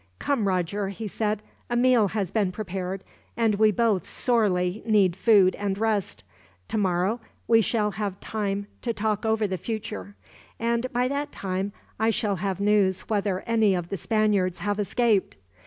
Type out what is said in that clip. "Come, Roger," he said; "a meal has been prepared, and we both sorely need food and rest. Tomorrow we shall have time to talk over the future, and by that time I shall have news whether any of the Spaniards have escaped.